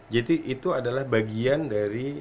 jadi itu adalah bagian dari